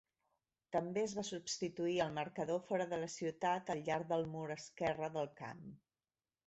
També es va substituir el marcador fora de la ciutat al llarg del mur esquerre del camp.